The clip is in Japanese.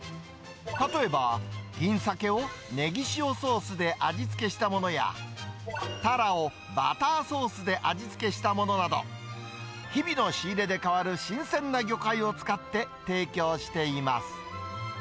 例えば、銀サケをネギ塩ソースで味付けしたものや、タラをバターソースで味付けしたものなど、日々の仕入れで変わる新鮮な魚介を使って提供しています。